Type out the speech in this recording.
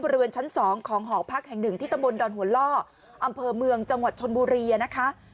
บริเวณชั้น๒ของหอพักแห่งหนึ่งที่ตำบลดอนหัวล่ออำเภอเมืองจังหวัดชนบุรีนะคะ